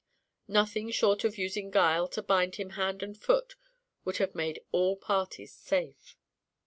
Nothing short of using guile to bind him hand and foot would have made all parties safe.